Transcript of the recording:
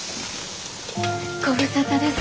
ご無沙汰です